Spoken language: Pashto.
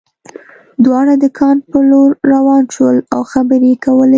دواړه د کان په لور روان شول او خبرې یې کولې